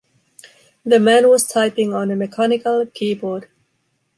The man was typing on a mechanical keyboard.